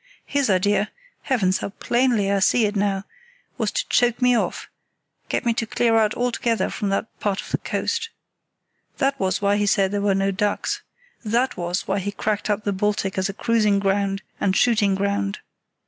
His idea—Heavens, how plainly I see it now!—was to choke me off, get me to clear out altogether from that part of the coast. That was why he said there were no ducks. That was why he cracked up the Baltic as a cruising ground and shooting ground.